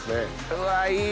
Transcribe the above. うわいい！